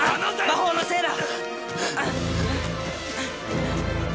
魔法のせいだ！